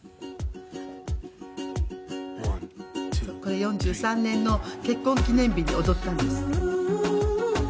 これ４３年の結婚記念日に踊ったんです。